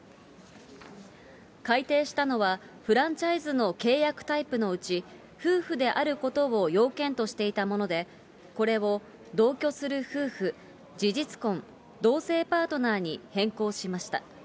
改定したのは、フランチャイズの契約タイプのうち、夫婦であることを要件としていたもので、これを同居する夫婦、事実婚、同性パートナーに変更しました。